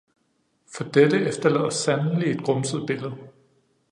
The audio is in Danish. For dette efterlader sandelig et grumset billede.